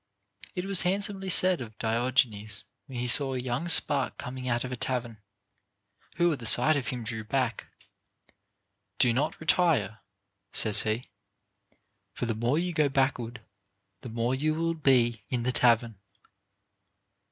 It was handsomely said of Diogenes, when he saw a young spark coming out of a tavern, who at the sight of him drew back : Do not retire, says he, for the more you go backward, the more you will be in the tavern.